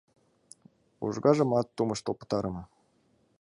Ужгажымат тумыштыл пытарыме.